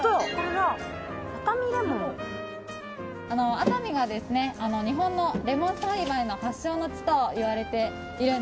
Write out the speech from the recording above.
熱海がですね日本のレモン栽培の発祥の地といわれているんですね実は。